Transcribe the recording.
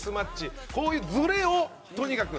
こういうズレを、とにかく。